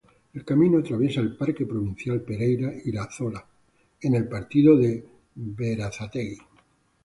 El camino atraviesa el Parque Provincial Pereyra Iraola en el Partido de Berazategui.